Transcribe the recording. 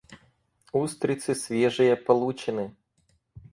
Устрицы свежие получены.